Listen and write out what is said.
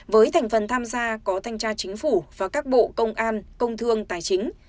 với thành phần tham gia có thanh tra chính phủ và các bộ công an công thương tài chính